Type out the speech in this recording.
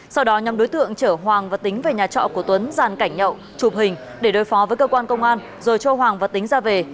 sau đó nhóm đối tượng chở hoàng và tính về nhà trọ của tuấn giàn cảnh nhậu chụp hình để đối phó với cơ quan công an rồi cho hoàng và tính ra về